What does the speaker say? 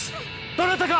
どなたか！